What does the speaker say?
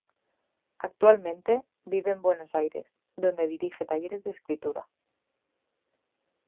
Actualmente, vive en Buenos Aires, donde dirige talleres de escritura.